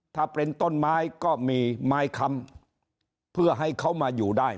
ถ้าเป็นต้นไม้ก็มีไม้ค้ำเพื่อให้เขามาอยู่ได้